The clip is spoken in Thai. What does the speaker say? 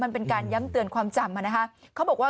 เป็นการย้ำเตือนความจำ